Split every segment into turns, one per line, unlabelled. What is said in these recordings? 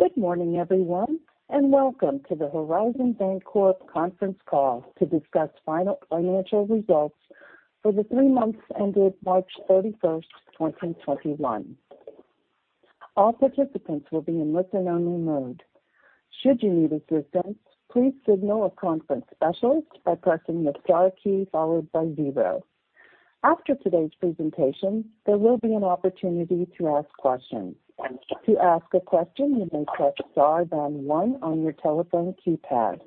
Good morning, everyone, and welcome to the Horizon Bancorp conference call to discuss final financial results for the three months ended March 31st, 2021. All participants will be in listen-only mode. Should you need assistance, please signal a conference specialist by pressing the star key followed by zero. After today's presentation, there will be an opportunity to ask questions. To ask a question, you may press star then one on your telephone keypad.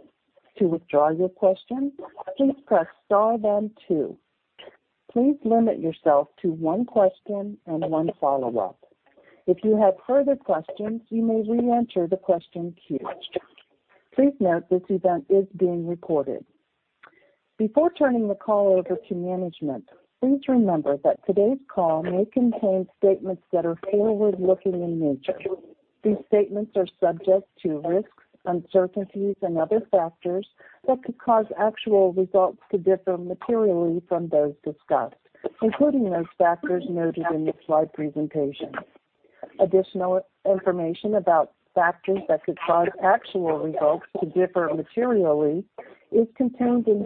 To withdraw your question, please press star then two. Please limit yourself to one question and one follow-up. If you have further questions, you may reenter the question queue. Please note this event is being recorded. Before turning the call over to management, please remember that today's call may contain statements that are forward-looking in nature. These statements are subject to risks, uncertainties, and other factors that could cause actual results to differ materially from those discussed, including those factors noted in the slide presentation. Additional information about factors that could cause actual results to differ materially is contained in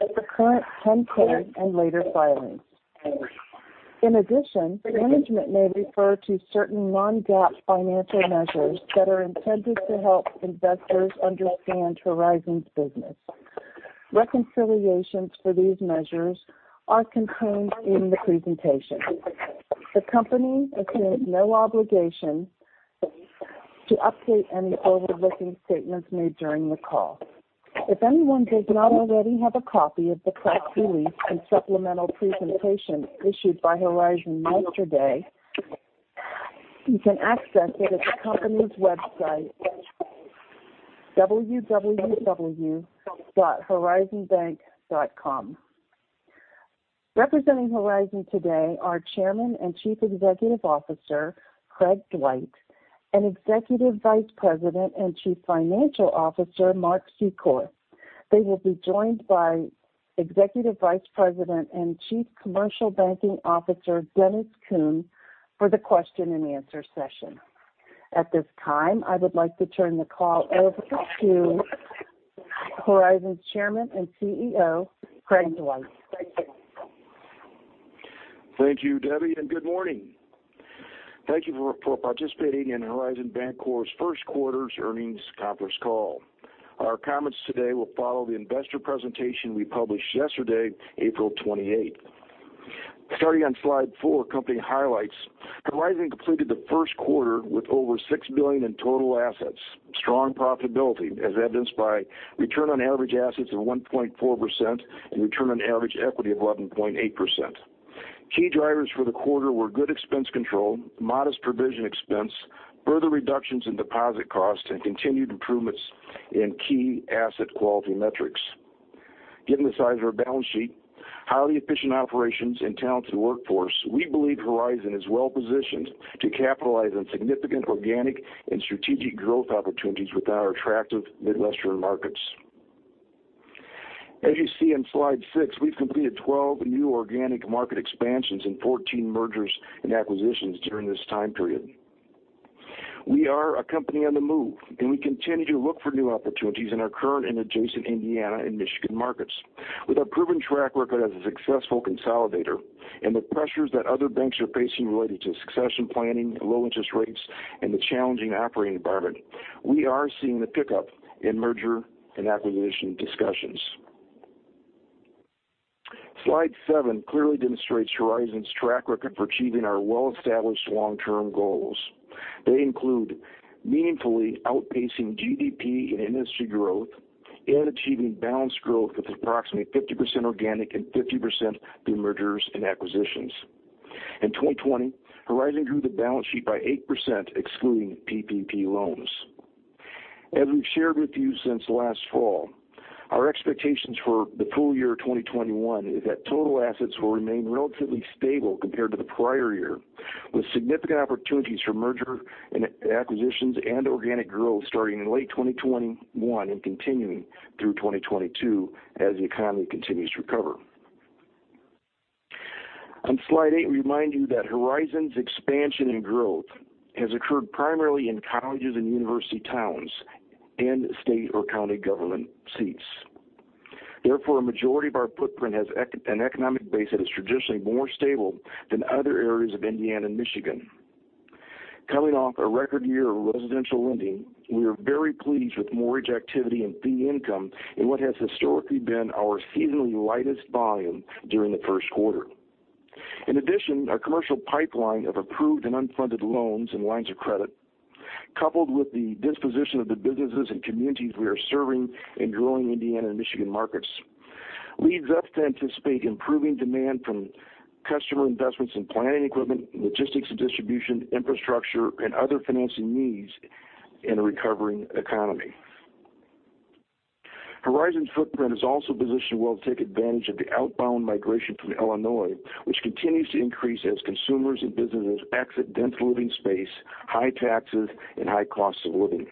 Horizon's current 10-K and later filings. In addition, management may refer to certain non-GAAP financial measures that are intended to help investors understand Horizon's business. Reconciliations for these measures are contained in the presentation. The company assumes no obligation to update any forward-looking statements made during the call. If anyone does not already have a copy of the press release and supplemental presentation issued by Horizon yesterday, you can access it at the company's website, www.horizonbank.com. Representing Horizon today are Chairman and Chief Executive Officer, Craig Dwight, and Executive Vice President and Chief Financial Officer, Mark Secor. They will be joined by Executive Vice President and Chief Commercial Banking Officer, Dennis Kuhn, for the question and answer session. At this time, I would like to turn the call over to Horizon's Chairman and CEO, Craig Dwight.
Thank you, Debbie. Good morning. Thank you for participating in Horizon Bancorp's first quarter earnings conference call. Our comments today will follow the investor presentation we published yesterday, April 28th. Starting on slide four, company highlights. Horizon completed the first quarter with over $6 billion in total assets. Strong profitability, as evidenced by return on average assets of 1.4% and return on average equity of 11.8%. Key drivers for the quarter were good expense control, modest provision expense, further reductions in deposit costs, and continued improvements in key asset quality metrics. Given the size of our balance sheet, highly efficient operations and talented workforce, we believe Horizon is well-positioned to capitalize on significant organic and strategic growth opportunities within our attractive Midwestern markets. As you see on slide six, we've completed 12 new organic market expansions and 14 mergers and acquisitions during this time period. We are a company on the move, and we continue to look for new opportunities in our current and adjacent Indiana and Michigan markets. With a proven track record as a successful consolidator and the pressures that other banks are facing related to succession planning, low interest rates, and the challenging operating environment, we are seeing a pickup in merger and acquisition discussions. Slide seven clearly demonstrates Horizon's track record for achieving our well-established long-term goals. They include meaningfully outpacing GDP and industry growth and achieving balanced growth with approximately 50% organic and 50% through mergers and acquisitions. In 2020, Horizon grew the balance sheet by 8%, excluding PPP loans. As we've shared with you since last fall, our expectations for the full year 2021 is that total assets will remain relatively stable compared to the prior year, with significant opportunities for merger and acquisitions and organic growth starting in late 2021 and continuing through 2022 as the economy continues to recover. On slide eight, we remind you that Horizon's expansion and growth has occurred primarily in colleges and university towns and state or county government seats. Therefore, a majority of our footprint has an economic base that is traditionally more stable than other areas of Indiana and Michigan. Coming off a record year of residential lending, we are very pleased with mortgage activity and fee income in what has historically been our seasonally lightest volume during the first quarter. In addition, our commercial pipeline of approved and unfunded loans and lines of credit, coupled with the disposition of the businesses and communities we are serving in growing Indiana and Michigan markets, leads us to anticipate improving demand from customer investments in plant and equipment, logistics and distribution, infrastructure, and other financing needs in a recovering economy. Horizon's footprint is also positioned well to take advantage of the outbound migration from Illinois, which continues to increase as consumers and businesses exit dense living space, high taxes, and high costs of living.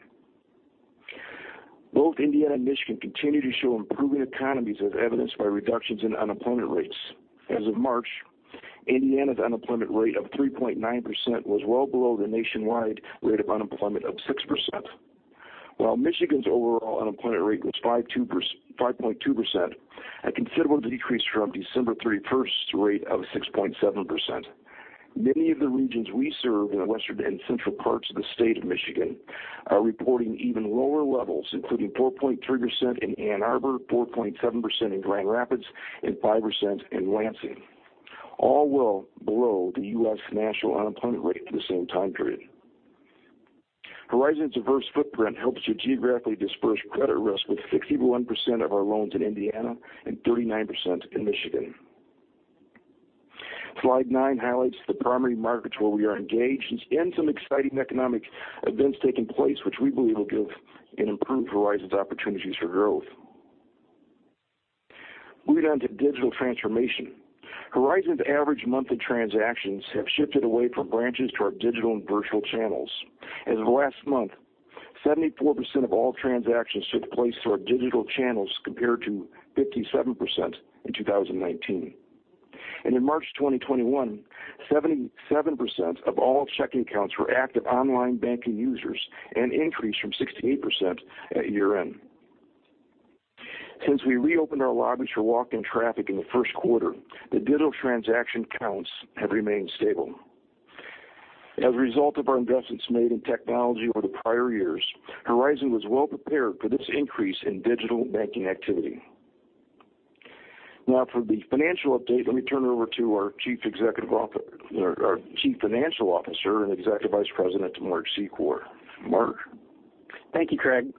Both Indiana and Michigan continue to show improving economies as evidenced by reductions in unemployment rates. As of March, Indiana's unemployment rate of 3.9% was well below the nationwide rate of unemployment of 6%, while Michigan's overall unemployment rate was 5.2%, a considerable decrease from December 31st's rate of 6.7%. Many of the regions we serve in the western and central parts of the state of Michigan are reporting even lower levels, including 4.3% in Ann Arbor, 4.7% in Grand Rapids, and 5% in Lansing. All well below the U.S. national unemployment rate for the same time period. Horizon's diverse footprint helps to geographically disperse credit risk with 61% of our loans in Indiana and 39% in Michigan. Slide nine highlights the primary markets where we are engaged and some exciting economic events taking place, which we believe will give and improve Horizon's opportunities for growth. Moving on to digital transformation. Horizon's average monthly transactions have shifted away from branches to our digital and virtual channels. As of last month, 74% of all transactions took place through our digital channels, compared to 57% in 2019. In March 2021, 77% of all checking accounts were active online banking users, an increase from 68% at year-end. Since we reopened our lobbies for walk-in traffic in the first quarter, the digital transaction counts have remained stable. As a result of our investments made in technology over the prior years, Horizon was well prepared for this increase in digital banking activity. Now for the financial update, let me turn it over to our Chief Financial Officer and Executive Vice President, Mark Secor. Mark?
Thank you, Craig.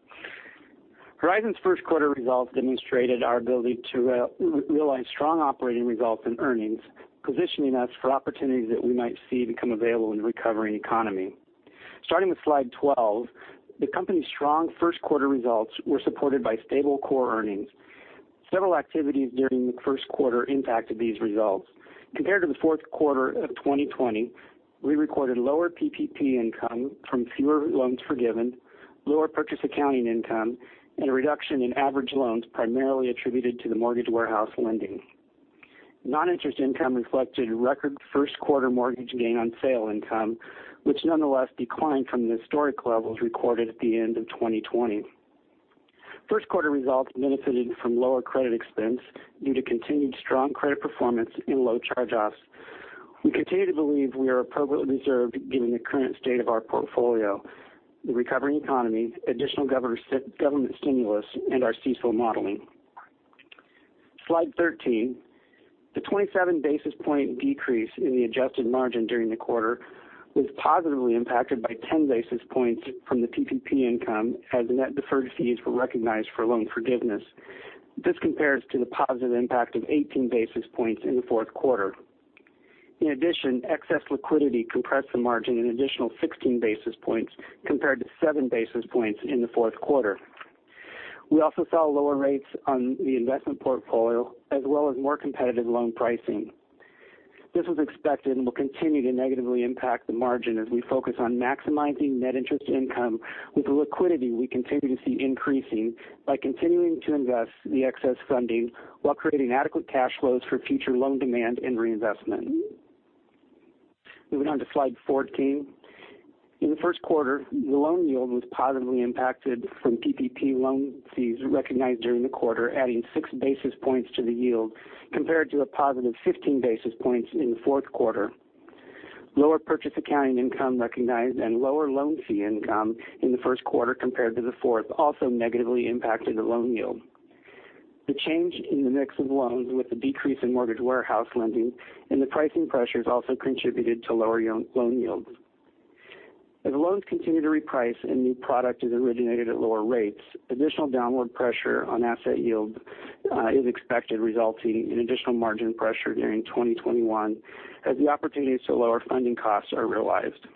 Horizon's first quarter results demonstrated our ability to realize strong operating results and earnings, positioning us for opportunities that we might see become available in a recovering economy. Starting with slide 12, the company's strong first quarter results were supported by stable core earnings. Several activities during the first quarter impacted these results. Compared to the fourth quarter of 2020, we recorded lower PPP income from fewer loans forgiven, lower purchase accounting income, and a reduction in average loans primarily attributed to the mortgage warehouse lending. Non-interest income reflected a record first quarter mortgage gain on sale income, which nonetheless declined from the historic levels recorded at the end of 2020. First quarter results benefited from lower credit expense due to continued strong credit performance and low charge-offs. We continue to believe we are appropriately reserved given the current state of our portfolio, the recovering economy, additional government stimulus, and our CECL modeling. Slide 13. The 27 basis point decrease in the adjusted margin during the quarter was positively impacted by 10 basis points from the PPP income as net deferred fees were recognized for loan forgiveness. This compares to the positive impact of 18 basis points in the fourth quarter. Excess liquidity compressed the margin an additional 16 basis points compared to seven basis points in the fourth quarter. We also saw lower rates on the investment portfolio, as well as more competitive loan pricing. This was expected and will continue to negatively impact the margin as we focus on maximizing net interest income with the liquidity we continue to see increasing by continuing to invest the excess funding while creating adequate cash flows for future loan demand and reinvestment. Moving on to slide 14. In the first quarter, the loan yield was positively impacted from PPP loan fees recognized during the quarter, adding six basis points to the yield compared to a positive 15 basis points in the fourth quarter. Lower purchase accounting income recognized and lower loan fee income in the first quarter compared to the fourth also negatively impacted the loan yield. The change in the mix of loans with the decrease in mortgage warehouse lending and the pricing pressures also contributed to lower loan yields. As loans continue to reprice and new product is originated at lower rates, additional downward pressure on asset yield is expected, resulting in additional margin pressure during 2021 as the opportunities to lower funding costs are realized.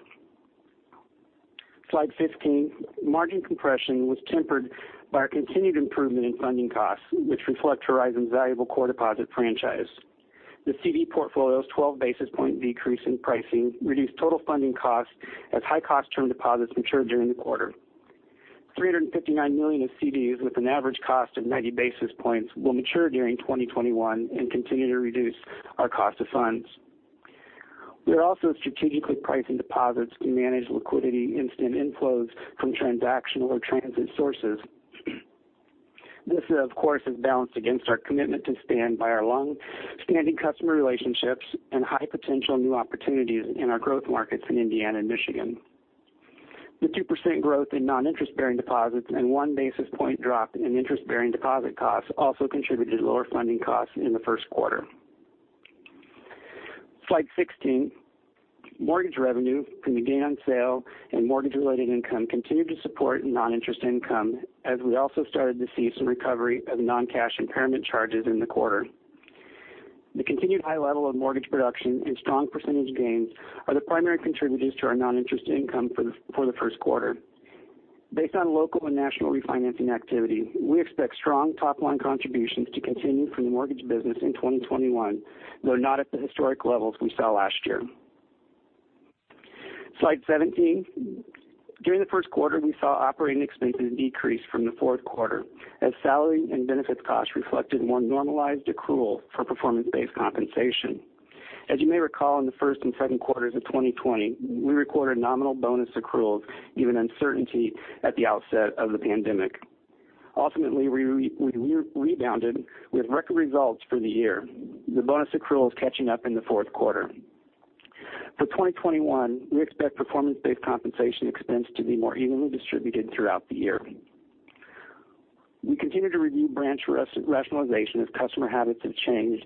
Slide 15. Margin compression was tempered by our continued improvement in funding costs, which reflect Horizon's valuable core deposit franchise. The CD portfolio's 12 basis point decrease in pricing reduced total funding costs as high-cost term deposits matured during the quarter. $359 million of CDs with an average cost of 90 basis points will mature during 2021 and continue to reduce our cost of funds. We are also strategically pricing deposits to manage liquidity and stem inflows from transactional or transit sources. This, of course, is balanced against our commitment to stand by our long-standing customer relationships and high potential new opportunities in our growth markets in Indiana and Michigan. The 2% growth in non-interest bearing deposits and one basis point drop in interest-bearing deposit costs also contributed to lower funding costs in the first quarter. Slide 16. Mortgage revenue from the gain on sale and mortgage-related income continued to support non-interest income as we also started to see some recovery of non-cash impairment charges in the quarter. The continued high level of mortgage production and strong percentage gains are the primary contributors to our non-interest income for the first quarter. Based on local and national refinancing activity, we expect strong top-line contributions to continue from the mortgage business in 2021, though not at the historic levels we saw last year. Slide 17. During the first quarter, we saw operating expenses decrease from the fourth quarter, as salary and benefits costs reflected more normalized accrual for performance-based compensation. As you may recall, in the first and second quarters of 2020, we recorded nominal bonus accruals given uncertainty at the outset of the pandemic. Ultimately, we rebounded with record results for the year, the bonus accruals catching up in the fourth quarter. For 2021, we expect performance-based compensation expense to be more evenly distributed throughout the year. We continue to review branch rationalization as customer habits have changed,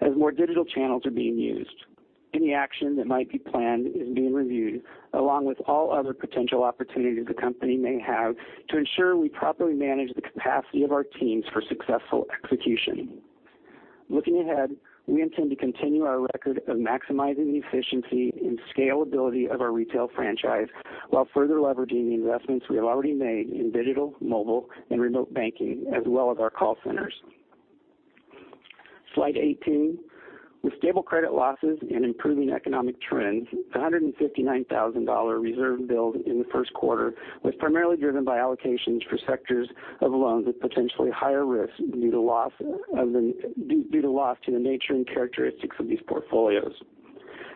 as more digital channels are being used. Any action that might be planned is being reviewed along with all other potential opportunities the company may have to ensure we properly manage the capacity of our teams for successful execution. Looking ahead, we intend to continue our record of maximizing the efficiency and scalability of our retail franchise, while further leveraging the investments we have already made in digital, mobile, and remote banking, as well as our call centers. Slide 18, with stable credit losses and improving economic trends the $159,000 reserve build in the first quarter was primarily driven by allocations for sectors of loans at potentially higher risk due to loss to the nature and characteristics of these portfolios.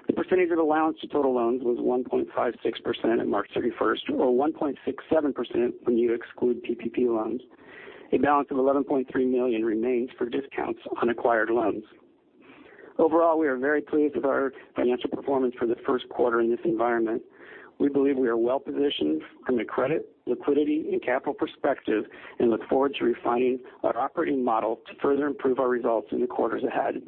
The percentage of allowance to total loans was 1.56% at March 31st, or 1.67% when you exclude PPP loans. A balance of $11.3 million remains for discounts on acquired loans. Overall, we are very pleased with our financial performance for the first quarter in this environment. We believe we are well-positioned from the credit, liquidity, and capital perspective and look forward to refining our operating model to further improve our results in the quarters ahead.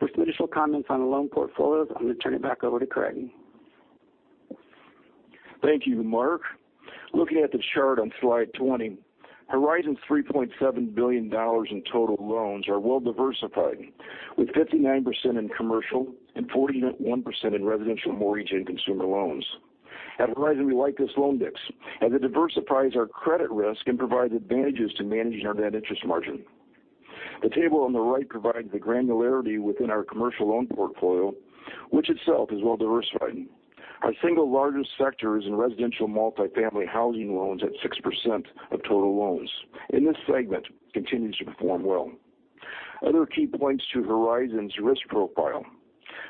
For some initial comments on the loan portfolios, I'm going to turn it back over to Craig.
Thank you, Mark. Looking at the chart on slide 20, Horizon's $3.7 billion in total loans are well-diversified, with 59% in commercial and 41% in residential mortgage and consumer loans. At Horizon, we like this loan mix, as it diversifies our credit risk and provides advantages to managing our net interest margin. The table on the right provides the granularity within our commercial loan portfolio, which itself is well-diversified. Our single largest sector is in residential multifamily housing loans at 6% of total loans, and this segment continues to perform well. Other key points to Horizon's risk profile.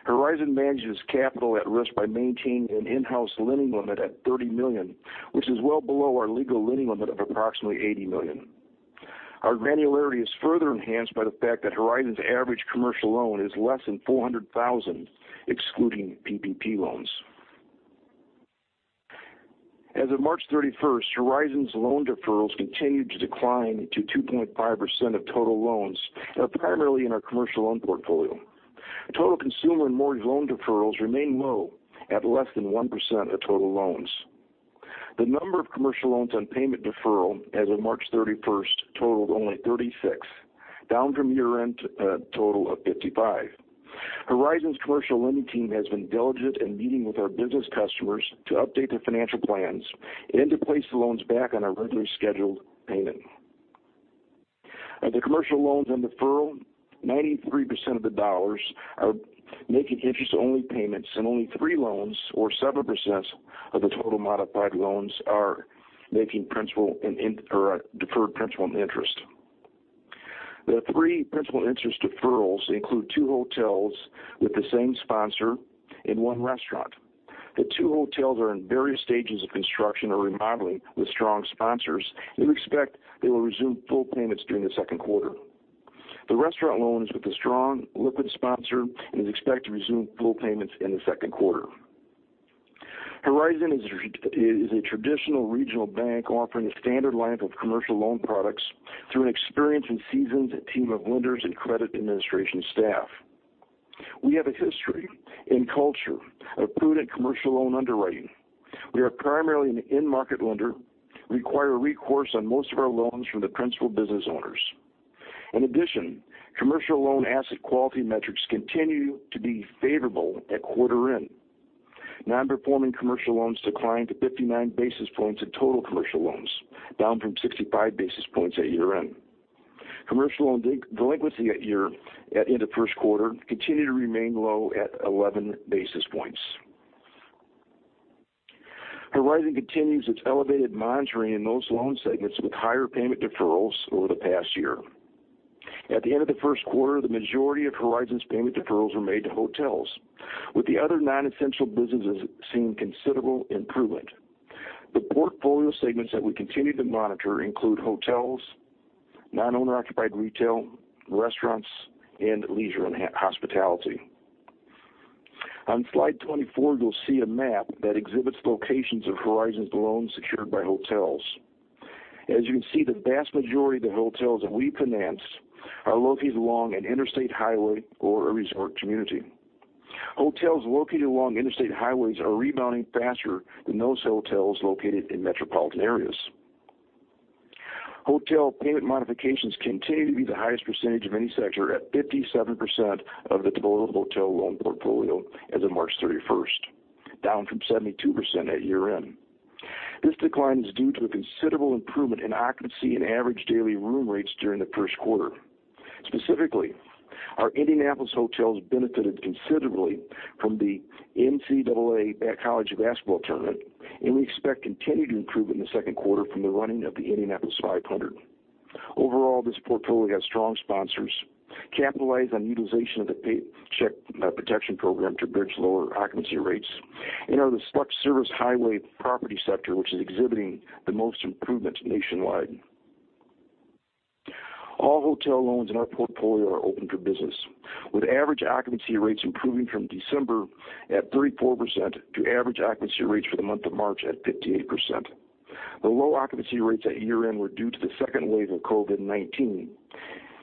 Horizon manages capital at risk by maintaining an in-house lending limit at $30 million, which is well below our legal lending limit of approximately $80 million. Our granularity is further enhanced by the fact that Horizon's average commercial loan is less than $400,000, excluding PPP loans. As of March 31st, Horizon's loan deferrals continued to decline to 2.5% of total loans, primarily in our commercial loan portfolio. Total consumer and mortgage loan deferrals remain low at less than 1% of total loans. The number of commercial loans on payment deferral as of March 31st totaled only 36, down from year-end total of 55. Horizon's commercial lending team has been diligent in meeting with our business customers to update their financial plans and to place the loans back on a regularly scheduled payment. Of the commercial loans on deferral, 93% of the dollars are making interest-only payments, and only three loans, or 7% of the total modified loans, are making deferred principal and interest. The three principal interest deferrals include two hotels with the same sponsor and one restaurant. The two hotels are in various stages of construction or remodeling with strong sponsors. We expect they will resume full payments during the second quarter. The restaurant loan is with a strong liquid sponsor and is expected to resume full payments in the second quarter. Horizon is a traditional regional bank offering a standard line-up of commercial loan products through an experienced and seasoned team of lenders and credit administration staff. We have a history and culture of prudent commercial loan underwriting. We are primarily an in-market lender, require recourse on most of our loans from the principal business owners. In addition, commercial loan asset quality metrics continue to be favorable at quarter-end. Non-performing commercial loans declined to 59 basis points of total commercial loans, down from 65 basis points at year-end. Commercial loan delinquency at end of first quarter continued to remain low at 11 basis points. Horizon continues its elevated monitoring in those loan segments with higher payment deferrals over the past year. At the end of the first quarter, the majority of Horizon's payment deferrals were made to hotels, with the other non-essential businesses seeing considerable improvement. The portfolio segments that we continue to monitor include hotels, non-owner occupied retail, restaurants, and leisure and hospitality. On slide 24, you'll see a map that exhibits locations of Horizon's loans secured by hotels. As you can see, the vast majority of the hotels that we finance are located along an interstate highway or a resort community. Hotels located along interstate highways are rebounding faster than those hotels located in metropolitan areas. Hotel payment modifications continue to be the highest percentage of any sector at 57% of the total hotel loan portfolio as of March 31st, down from 72% at year-end. This decline is due to a considerable improvement in occupancy and average daily room rates during the first quarter. Specifically, our Indianapolis hotels benefited considerably from the NCAA college basketball tournament, and we expect continued improvement in the second quarter from the running of the Indianapolis 500. Overall, this portfolio has strong sponsors, capitalized on utilization of the Paycheck Protection Program to bridge lower occupancy rates and are the select service highway property sector, which is exhibiting the most improvement nationwide. All hotel loans in our portfolio are open for business, with average occupancy rates improving from December at 34% to average occupancy rates for the month of March at 58%. The low occupancy rates at year-end were due to the second wave of COVID-19,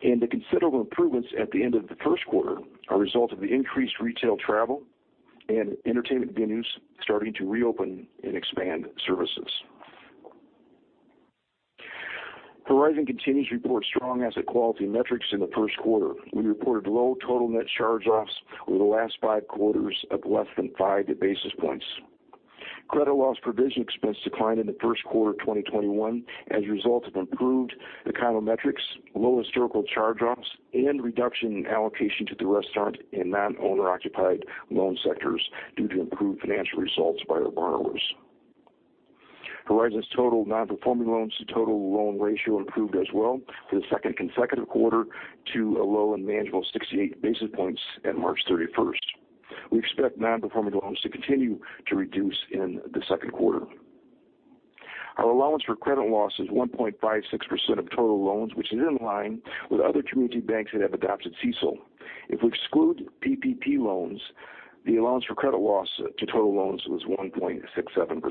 and the considerable improvements at the end of the first quarter are a result of the increased retail travel and entertainment venues starting to reopen and expand services. Horizon continues to report strong asset quality metrics in the first quarter. We reported low total net charge-offs over the last five quarters of less than five basis points. Credit loss provision expense declined in the first quarter of 2021 as a result of improved econometrics, low historical charge-offs, and reduction in allocation to the restaurant and non-owner-occupied loan sectors due to improved financial results by our borrowers. Horizon's total non-performing loans to total loan ratio improved as well for the second consecutive quarter to a low and manageable 68 basis points at March 31st. We expect non-performing loans to continue to reduce in the second quarter. Our allowance for credit loss is 1.56% of total loans, which is in line with other community banks that have adopted CECL. If we exclude PPP loans, the allowance for credit loss to total loans was 1.67%.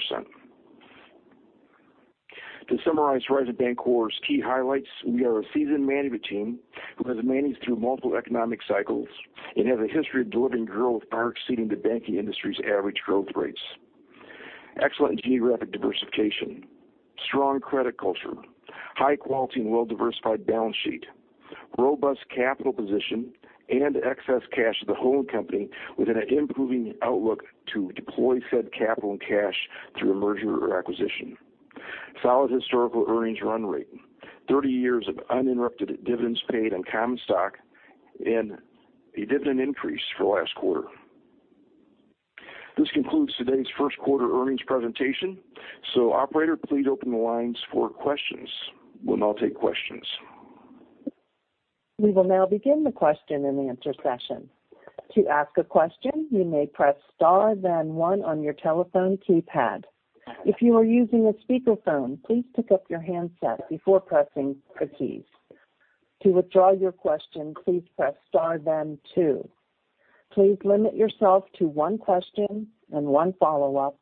To summarize Horizon Bancorp's key highlights, we are a seasoned management team who has managed through multiple economic cycles and has a history of delivering growth exceeding the banking industry's average growth rates. Excellent geographic diversification, strong credit culture, high quality and well-diversified balance sheet, robust capital position and excess cash of the whole company with an improving outlook to deploy said capital and cash through a merger or acquisition. Solid historical earnings run rate. 30 years of uninterrupted dividends paid on common stock and a dividend increase for last quarter. This concludes today's first quarter earnings presentation. Operator, please open the lines for questions. We'll now take questions.
We will now begin the question and answer session. Please limit yourself to one question and one follow-up.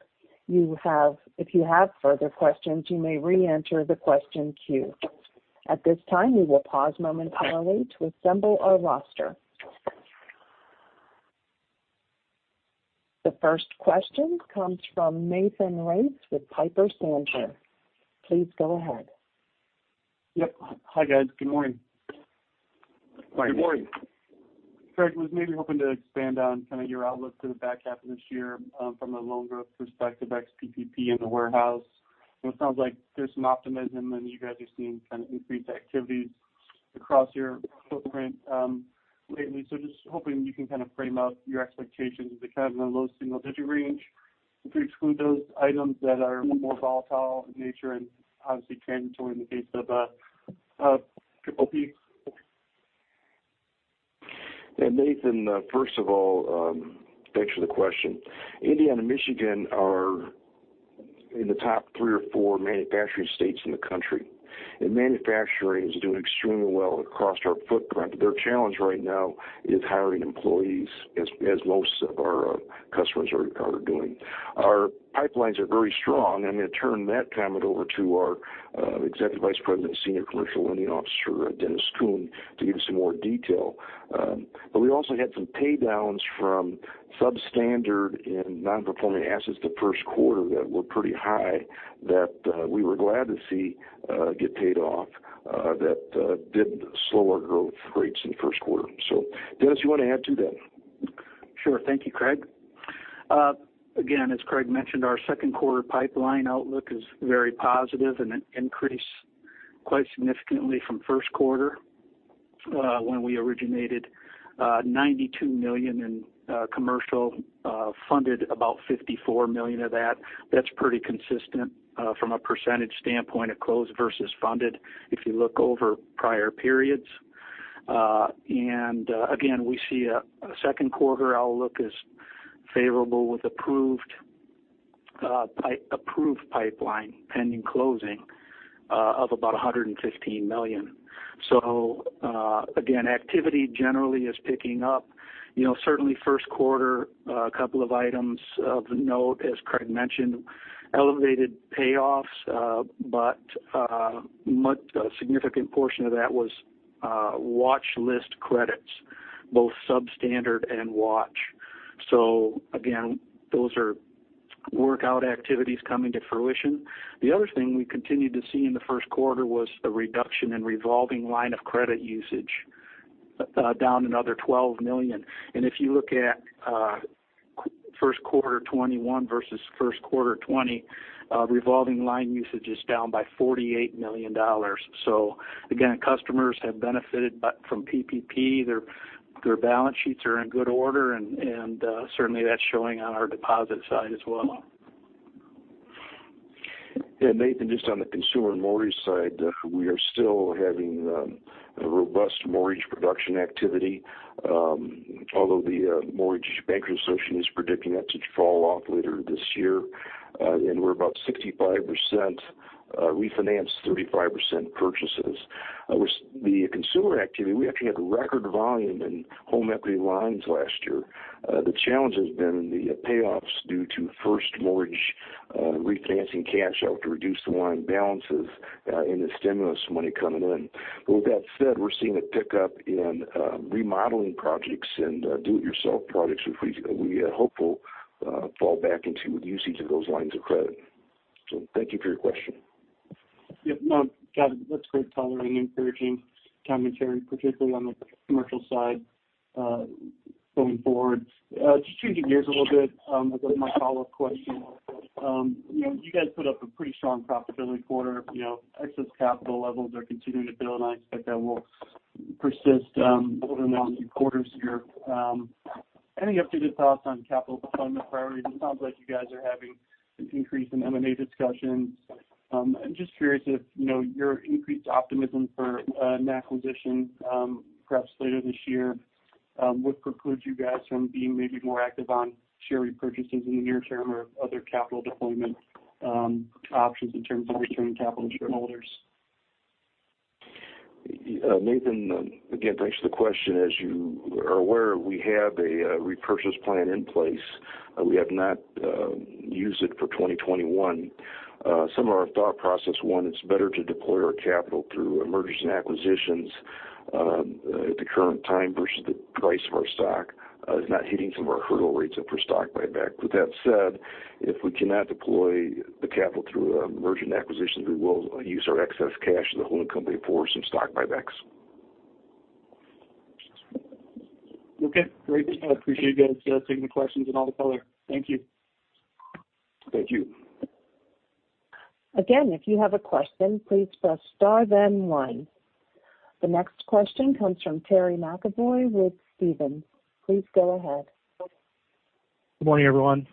If you have further questions, you may reenter the question queue. At this time, we will pause momentarily to assemble our roster. The first question comes from Nathan Race with Piper Sandler. Please go ahead.
Yep. Hi, guys. Good morning.
Good morning.
Craig, I was maybe hoping to expand on kind of your outlook for the back half of this year from a loan growth perspective, ex-PPP and the warehouse. It sounds like there's some optimism and you guys are seeing kind of increased activities across your footprint lately. I'm just hoping you can kind of frame out your expectations. Is it kind of in the low single-digit range if you exclude those items that are more volatile in nature and obviously transitory in the case of PPP?
Yeah, Nathan, first of all, thanks for the question. Indiana and Michigan are in the top three or four manufacturing states in the country, and manufacturing is doing extremely well across our footprint. Their challenge right now is hiring employees, as most of our customers are doing. Our pipelines are very strong. I'm going to turn that comment over to our Executive Vice President, Senior Commercial Lending Officer, Dennis Kuhn, to give some more detail. We also had some paydowns from substandard and non-performing assets the first quarter that were pretty high that we were glad to see get paid off that did slow our growth rates in the first quarter. Dennis, you want to add to that?
Sure. Thank you, Craig. As Craig mentioned, our second quarter pipeline outlook is very positive and an increase quite significantly from first quarter when we originated $92 million in commercial, funded about $54 million of that. That's pretty consistent from a percentage standpoint at close versus funded if you look over prior periods. We see a second quarter outlook is favorable with approved pipeline pending closing of about $115 million. Activity generally is picking up. Certainly first quarter, a couple of items of note, as Craig mentioned, elevated payoffs but a significant portion of that was watchlist credits, both substandard and watch. Those are workout activities coming to fruition. The other thing we continued to see in the first quarter was a reduction in revolving line of credit usage Down another $12 million. If you look at first quarter 2021 versus first quarter 2020, revolving line usage is down by $48 million. Again, customers have benefited from PPP. Their balance sheets are in good order and certainly that's showing on our deposit side as well.
Nathan, just on the consumer mortgage side, we are still having a robust mortgage production activity, although the Mortgage Bankers Association is predicting that to fall off later this year. We're about 65% refinance, 35% purchases. The consumer activity, we actually had record volume in home equity lines last year. The challenge has been in the payoffs due to first mortgage refinancing cash out to reduce the line balances and the stimulus money coming in. With that said, we're seeing a pickup in remodeling projects and do-it-yourself projects, which we hope will fall back into the usage of those lines of credit. Thank you for your question.
Yeah. No, Craig, that's great coloring, encouraging commentary, particularly on the commercial side going forward. Just changing gears a little bit with my follow-up question. You guys put up a pretty strong profitability quarter. Excess capital levels are continuing to build, and I expect that will persist over the next few quarters here. Any updated thoughts on capital deployment priorities? It sounds like you guys are having an increase in M&A discussions. I'm just curious if your increased optimism for an acquisition perhaps later this year would preclude you guys from being maybe more active on share repurchases in the near term or other capital deployment options in terms of returning capital to shareholders.
Nathan, again, thanks for the question. As you are aware, we have a repurchase plan in place. We have not used it for 2021. Some of our thought process, one, it's better to deploy our capital through mergers and acquisitions at the current time versus the price of our stock. It's not hitting some of our hurdle rates for stock buyback. With that said, if we cannot deploy the capital through a merger and acquisitions, we will use our excess cash as a whole company for some stock buybacks.
Okay, great. I appreciate you guys taking the questions and all the color. Thank you.
Thank you.
Again, if you have a question, please press star then one. The next question comes from Terry McEvoy with Stephens. Please go ahead.
Good morning, everyone.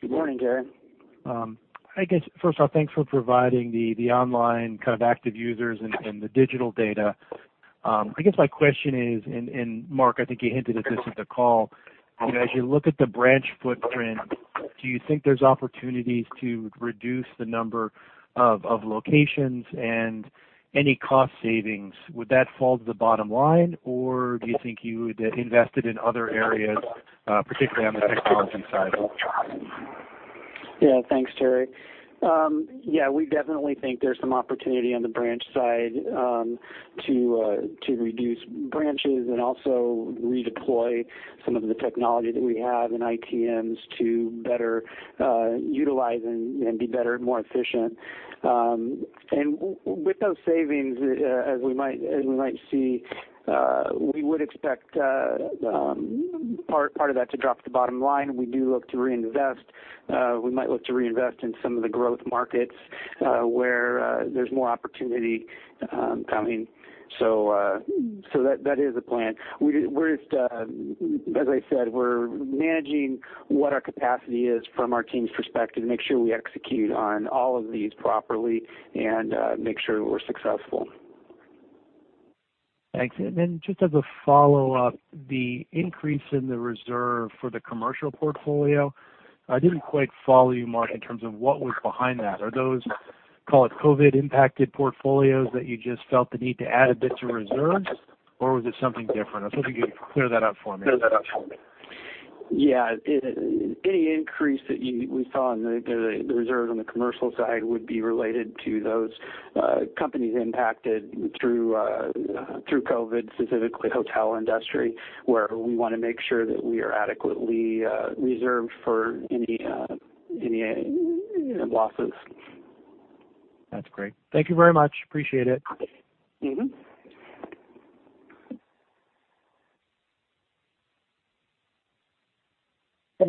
Good morning, Terry.
I guess, first off, thanks for providing the online kind of active users and the digital data. I guess my question is, Mark, I think you hinted at this at the call. As you look at the branch footprint, do you think there's opportunities to reduce the number of locations and any cost savings? Would that fall to the bottom line, or do you think you would invest it in other areas, particularly on the technology side?
Yeah. Thanks, Terry. Yeah, we definitely think there's some opportunity on the branch side to reduce branches and also redeploy some of the technology that we have in ITMs to better utilize and be better and more efficient. With those savings, as we might see, we would expect part of that to drop to the bottom line. We do look to reinvest. We might look to reinvest in some of the growth markets where there's more opportunity coming. That is the plan. As I said, we're managing what our capacity is from our team's perspective to make sure we execute on all of these properly and make sure we're successful.
Thanks. Just as a follow-up, the increase in the reserve for the commercial portfolio, I didn't quite follow you, Mark, in terms of what was behind that. Are those, call it COVID impacted portfolios that you just felt the need to add a bit to reserves? Was it something different? I was hoping you could clear that up for me.
Yeah. Any increase that we saw in the reserve on the commercial side would be related to those companies impacted through COVID, specifically hotel industry, where we want to make sure that we are adequately reserved for any losses.
That's great. Thank you very much. Appreciate it.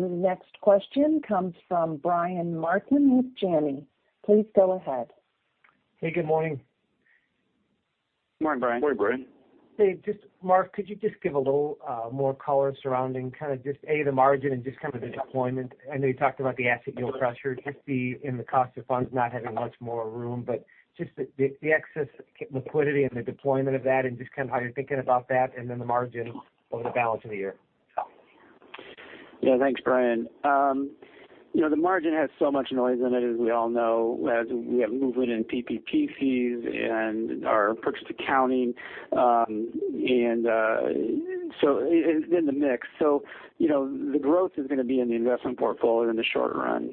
The next question comes from Brian Martin with Janney. Please go ahead.
Hey, good morning.
Morning, Brian.
Morning, Brian.
Hey, just Mark, could you just give a little more color surrounding kind of just, A, the margin and just kind of the deployment? I know you talked about the asset yield pressure, just in the cost of funds not having much more room, just the excess liquidity and the deployment of that and just kind of how you're thinking about that the margin over the balance of the year.
Yeah. Thanks, Brian. The margin has so much noise in it as we all know, as we have movement in PPP fees and our approach to accounting. In the mix. The growth is going to be in the investment portfolio in the short run.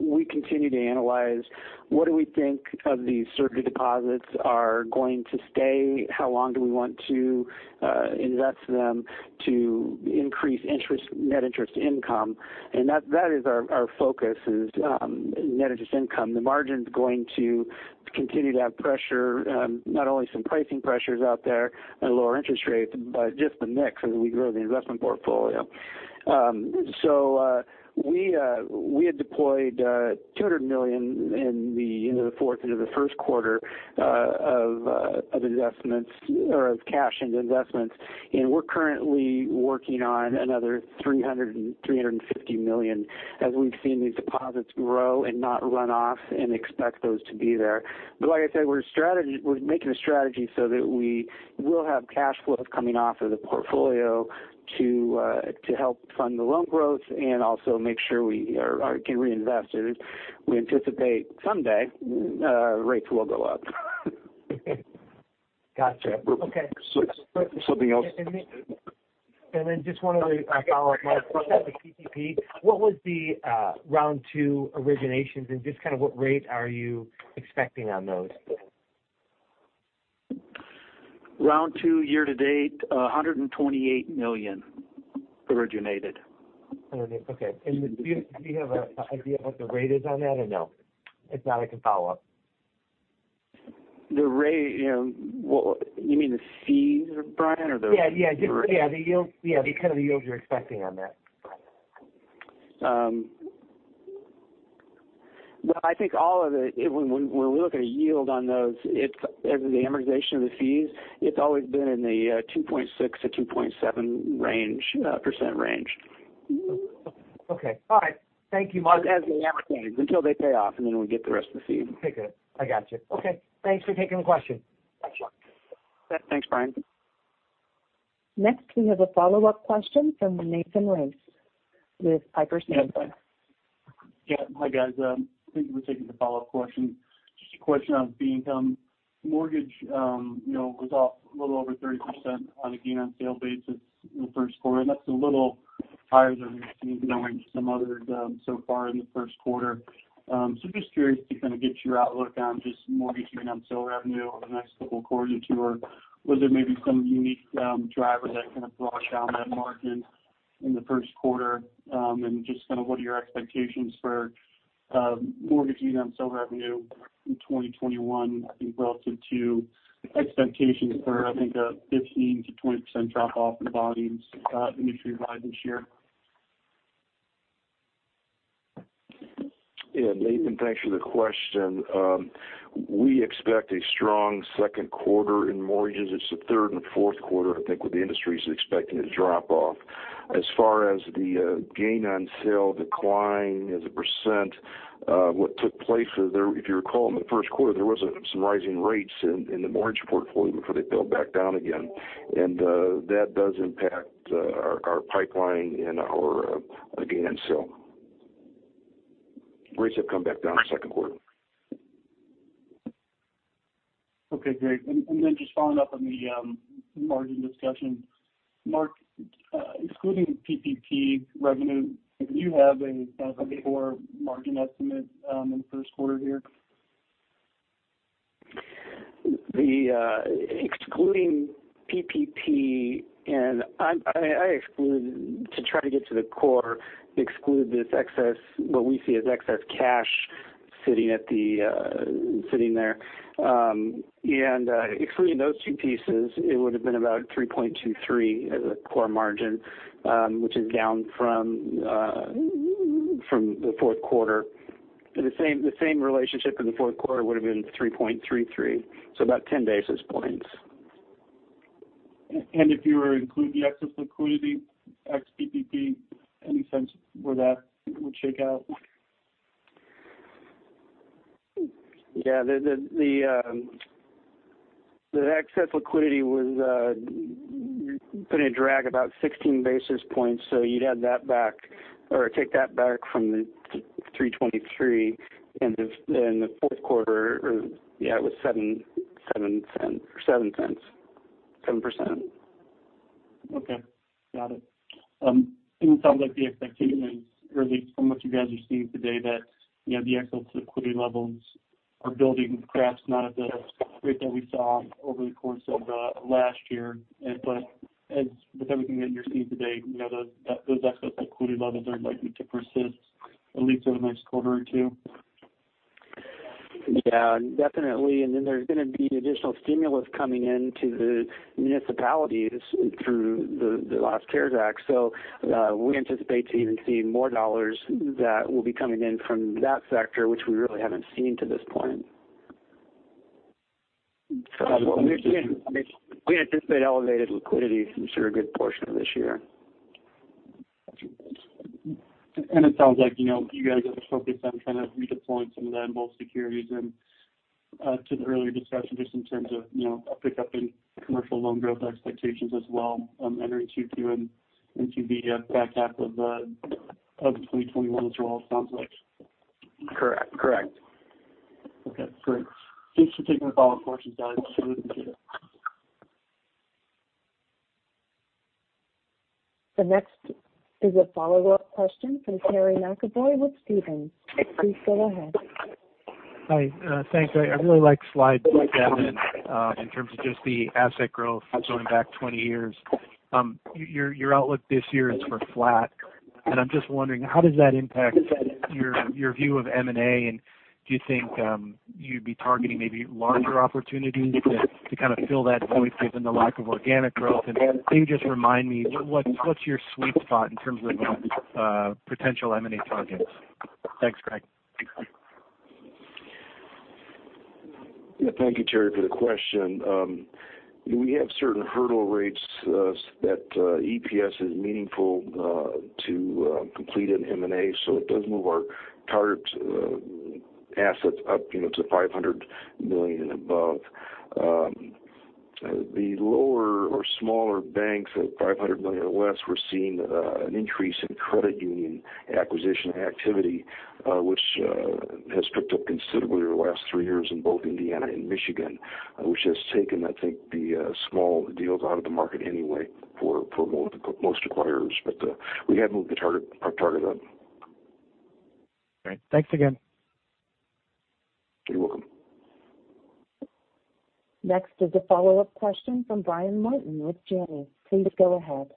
We continue to analyze what do we think of the surplus deposits are going to stay? How long do we want to invest them to increase net interest income? That is our focus is net interest income. The margin's going to continue to have pressure. Not only some pricing pressures out there and lower interest rates, but just the mix as we grow the investment portfolio. We had deployed $200 million into the first quarter of investments, or of cash into investments. We're currently working on another $300 million-$350 million, as we've seen these deposits grow and not run off and expect those to be there. Like I said, we're making a strategy so that we will have cash flow coming off of the portfolio to help fund the loan growth and also make sure we can reinvest it. We anticipate someday rates will go up.
Got you. Okay.
Something else?
Just wanted to follow up, Mark, on the PPP. What was the round 2 originations and just what rate are you expecting on those?
Round 2, year to date, $128 million originated.
Okay. Do you have an idea what the rate is on that, or no? If not, I can follow up.
The rate. You mean the fees, Brian?
Yeah. The yield you're expecting on that?
Well, I think all of it, when we look at a yield on those, the amortization of the fees, it's always been in the 2.6%-2.7% range.
Okay. All right. Thank you, Mark.
As they amortize, until they pay off, and then we'll get the rest of the fee.
Okay, good. I got you. Okay, thanks for taking the question.
Thanks, Brian.
Next, we have a follow-up question from Nathan Race with Piper Sandler.
Yeah. Hi, guys. Thank you for taking the follow-up question. Just a question on mortgage, was off a little over 30% on a gain-on-sale basis in the first quarter. That's a little higher than we've seen among some others so far in the first quarter. Just curious to kind of get your outlook on just mortgage gain-on-sale revenue over the next couple quarters, or was there maybe some unique driver that kind of brought down that margin in the first quarter? Just what are your expectations for mortgage gain-on-sale revenue in 2021, I think, relative to expectations for, I think, a 15%-20% drop-off in volumes industry-wide this year?
Yeah, Nathan, thanks for the question. We expect a strong second quarter in mortgages. It's the third and fourth quarter, I think, where the industry's expecting to drop off. As far as the gain-on-sale decline as a percent, what took place is, if you recall, in the first quarter, there was some rising rates in the mortgage portfolio before they bailed back down again. That does impact our pipeline and our gain-on-sale. Rates have come back down in the second quarter.
Okay, great. Just following up on the margin discussion. Mark, excluding PPP revenue, do you have a core margin estimate in the first quarter here?
Excluding PPP, I exclude, to try to get to the core, this excess, what we see as excess cash sitting there. Excluding those two pieces, it would've been about 3.23 as a core margin, which is down from the fourth quarter. The same relationship in the fourth quarter would've been 3.33, about 10 basis points.
If you were to include the excess liquidity, ex-PPP, any sense where that would shake out?
Yeah. The excess liquidity was going to drag about 16 basis points. You'd add that back or take that back from the 3.23% in the fourth quarter, or yeah, it was 7%.
Okay. Got it. It sounds like the expectation is, or at least from what you guys are seeing today, that the excess liquidity levels are building, perhaps not at the rate that we saw over the course of last year. As with everything that you're seeing today, those excess liquidity levels are likely to persist at least for the next quarter or two?
Yeah, definitely. There's going to be additional stimulus coming into the municipalities through the last CARES Act. We anticipate to even see more dollars that will be coming in from that sector, which we really haven't seen to this point. We anticipate elevated liquidity through a good portion of this year.
Got you. Thanks. It sounds like you guys are focused on kind of redeploying some of the MBS securities and to the earlier discussion, just in terms of a pickup in commercial loan growth expectations as well entering Q2 and into the back half of 2021 as well, it sounds like.
Correct.
Okay, great. Thanks for taking the follow-up questions, guys. Appreciate it.
The next is a follow-up question from Terry McEvoy with Stephens. Please go ahead.
Hi. Thanks. I really like slide seven in terms of just the asset growth going back 20 years. Your outlook this year is for flat. I'm just wondering, how does that impact your view of M&A, and do you think you'd be targeting maybe larger opportunities to kind of fill that void given the lack of organic growth? Can you just remind me what's your sweet spot in terms of potential M&A targets? Thanks, Craig.
Yeah. Thank you, Terry, for the question. We have certain hurdle rates that EPS is meaningful to complete an M&A, so it does move our target assets up to $500 million and above. The lower or smaller banks at $500 million or less, we're seeing an increase in credit union acquisition activity, which has picked up considerably over the last three years in both Indiana and Michigan, which has taken, I think, the small deals out of the market anyway for most acquirers. We have moved our target up.
Great. Thanks again.
You're welcome.
Next is a follow-up question from Brian Martin with Janney. Please go ahead.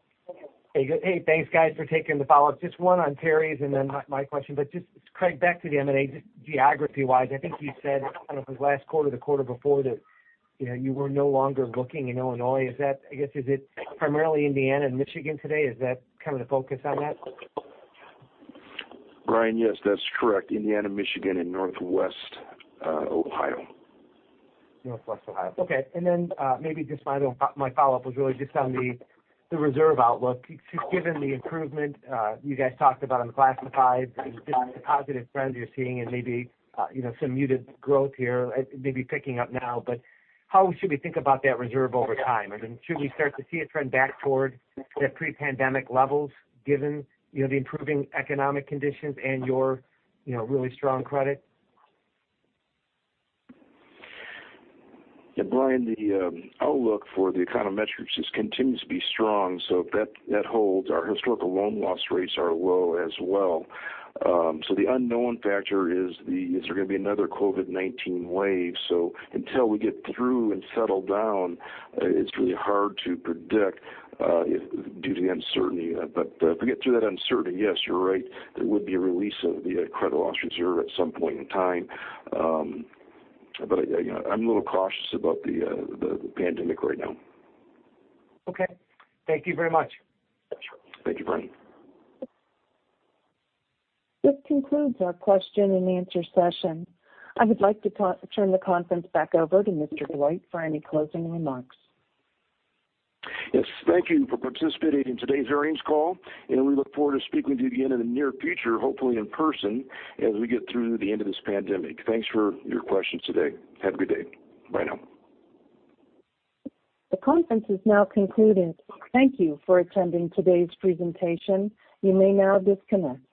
Hey. Thanks, guys, for taking the follow-up. Just one on Terry's, and then my question. Just, Craig, back to the M&A, just geography-wise, I think you said, I don't know if it was last quarter or the quarter before, that you were no longer looking in Illinois. I guess, is it primarily Indiana and Michigan today? Is that kind of the focus on that?
Brian, yes, that's correct. Indiana, Michigan, and Northwest Ohio.
Northwest Ohio. Okay. Then maybe just my follow-up was really just on the reserve outlook. Just given the improvement you guys talked about on the classifieds and just the positive trends you're seeing and maybe some muted growth here, maybe picking up now, but how should we think about that reserve over time? I mean, should we start to see a trend back toward the pre-pandemic levels given the improving economic conditions and your really strong credit?
Brian, the outlook for the econometrics just continues to be strong, so if that holds, our historical loan loss rates are low as well. The unknown factor is there going to be another COVID-19 wave? Until we get through and settle down, it's really hard to predict due to the uncertainty. If we get through that uncertainty, yes, you're right, there would be a release of the credit loss reserve at some point in time. I'm a little cautious about the pandemic right now.
Okay. Thank you very much.
Sure. Thank you, Brian.
This concludes our question and answer session. I would like to turn the conference back over to Mr. Dwight for any closing remarks.
Yes. Thank you for participating in today's earnings call, and we look forward to speaking with you again in the near future, hopefully in person, as we get through the end of this pandemic. Thanks for your questions today. Have a good day. Bye now.
The conference is now concluded. Thank you for attending today's presentation. You may now disconnect.